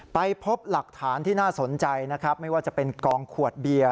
ไปพบหลักฐานที่น่าสนใจนะครับไม่ว่าจะเป็นกองขวดเบียร์